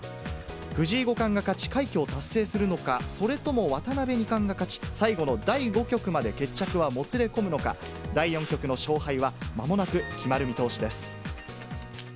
藤井五冠が勝ち、快挙を達成するのか、それとも渡辺二冠が勝ち、最後の第５局まで決着はもつれ込むのか、第４局の勝敗はまもなく決まる見通しです。